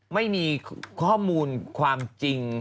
ไม่มีข้อมูลความจริง